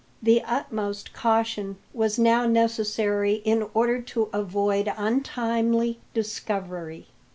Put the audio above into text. The utmost caution was now necessary in order to avoid untimely discovery.